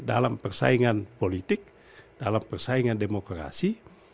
dalam persaingan politik dalam persaingan demokrasi